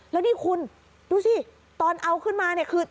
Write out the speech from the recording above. แล้วนี่คุณดูสิตอนเอาขึ้นมาเนี่ยคือ